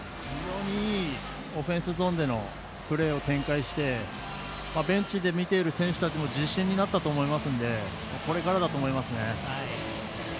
非常にいいオフェンスゾーンでのプレーを展開してベンチで見ている選手たちも自信になったと思いますんでこれからだと思います。